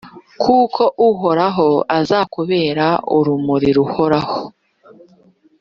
kuko uhoraho azakubera urumuri ruhoraho,